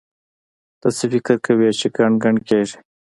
ته څه کوې چې ګڼ ګڼ کېږې؟!